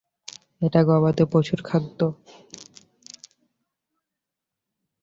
এটা গবাদি পশুর খাদ্য।